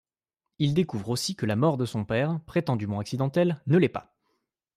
Il découvre aussi que la mort de son père, prétendument accidentelle, ne l'est pas.